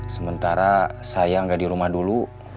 sementara saya nggak di rumah dulu